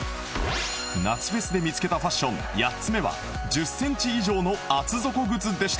夏フェスで見つけたファッション８つ目は１０センチ以上の厚底靴でした